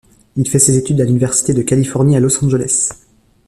Il fait ses études à l'université de Californie à Los Angeles.